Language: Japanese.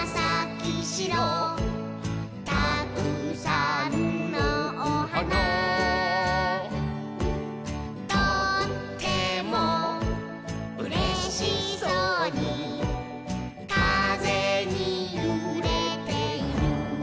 「たくさんのおはな」「とってもうれしそうにかぜにゆれている」